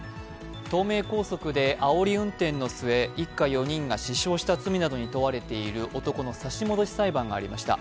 東名高速であおり運転の末、一家４人が死傷した罪などに問われている男の差し戻し裁判がありました。